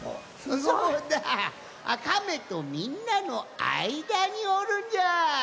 そうだカメとみんなのあいだにおるんじゃ！